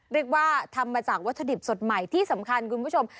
เรียกว่าทำมาจากวัตถุดิบสดใหม่ที่สำคัญคุณผู้ชม